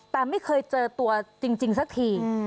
แต่ไม่เคยเจอตัวจริงสักที